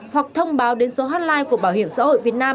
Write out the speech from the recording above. hoặc thông báo đến số hotline của bảo hiểm xã hội việt nam